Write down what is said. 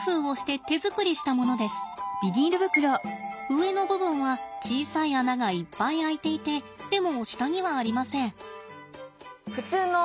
上の部分は小さい穴がいっぱい開いていてでも下にはありません。